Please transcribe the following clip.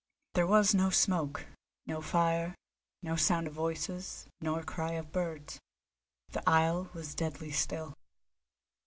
There was no smoke, no fire, no sound of voices, nor cry of birds. The isle was deadly still.